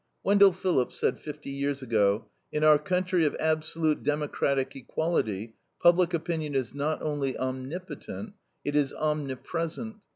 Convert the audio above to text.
Wendell Phillips said fifty years ago: "In our country of absolute democratic equality, public opinion is not only omnipotent, it is omnipresent.